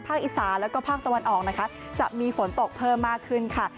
อิสาแล้วก็ภาคตะวันออกนะคะจะมีฝนตกเพิ่มมากขึ้นค่ะ